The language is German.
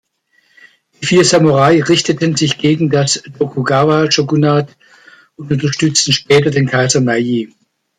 Die vier Samurai richteten sich gegen das Tokugawa-Shogunat und unterstützten später den Kaiser Meiji.